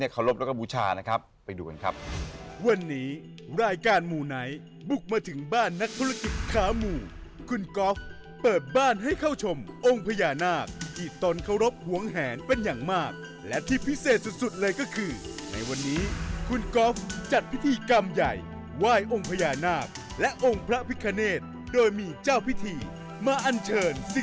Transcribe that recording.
ขอไปดูนี่ได้ได้อย่างไรไปดูที่แฟนค่ะอ่าโอเค